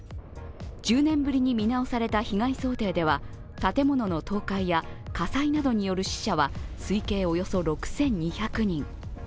１０年ぶりに見直された被害想定では建物の倒壊や、火災などによる死者は推計およそ６２００人。